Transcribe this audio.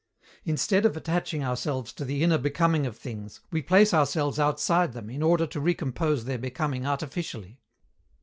Instead of attaching ourselves to the inner becoming of things, we place ourselves outside them in order to recompose their becoming artificially.